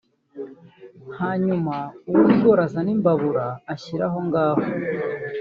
hanyuma uw’ibigori azane Imbabura ashyire aho ngaho